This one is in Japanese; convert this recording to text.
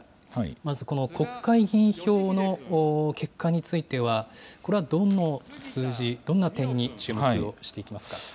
まずこの国会議員票の結果については、これはどの数字、どんな点に注目をしていきますか。